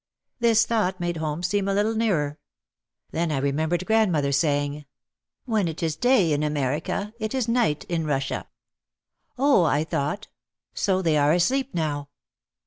,, This thought made home seem a little nearer. Then I remembered grandmother saying : "When it is day in America it is night in Russia." "Oh," I thought, "so they are asleep now!"